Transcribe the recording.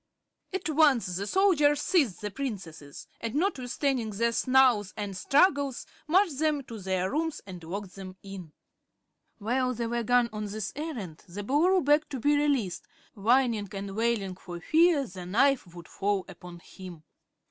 At once the soldiers seized the Princesses and, notwithstanding their snarls and struggles, marched them to their rooms and locked them in. While they were gone on this errand the Boolooroo begged to be released, whining and wailing for fear the knife would fall upon him.